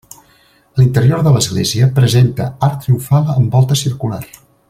A l'interior de l'església presenta arc triomfal en volta circular.